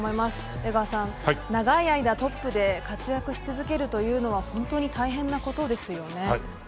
江川さん、長い間トップで活躍し続けるというのは本当に大変なことですよね。